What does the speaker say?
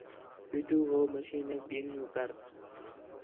پیٹھو ہو مشینیک گِھن کر